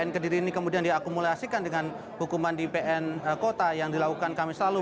kediri ini kemudian diakumulasikan dengan hukuman di pn kota yang dilakukan kami selalu